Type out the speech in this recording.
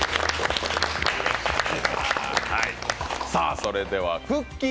それではくっきー！